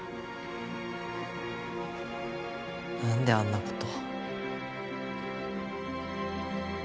何であんなこと。